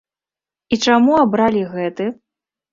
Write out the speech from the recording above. І чаму абралі гэты?